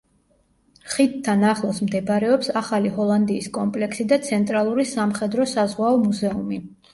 ხიდთან ახლოს მდებარეობს ახალი ჰოლანდიის კომპლექსი და ცენტრალური სამხედრო-საზღვაო მუზეუმი.